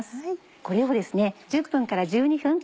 これをですね。